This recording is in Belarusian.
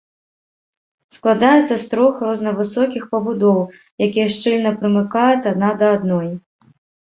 Складаецца з трох рознавысокіх пабудоў, якія шчыльна прымыкаюць адна да адной.